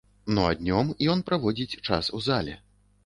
Ну а днём ён праводзіць час у зале.